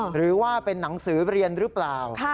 หรือว่าเป็นหนังสือเรียนหรือเปล่า